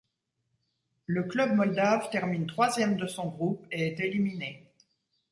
Le club moldave termine troisième de son groupe et est éliminé.